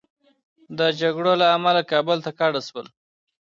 د جګړو له امله کابل ته کډه شول.